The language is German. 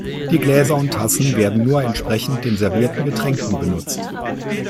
Die Gläser und Tassen werden nur entsprechend den servierten Getränken benutzt.